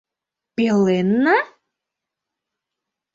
Пеленна?!